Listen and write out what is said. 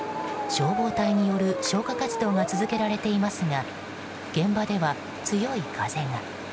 消防隊による消火活動が続けられていますが現場では、強い風が。